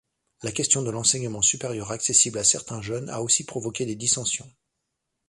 La question de l'enseignement supérieur accessible à certains jeunes a aussi provoqué des dissentions.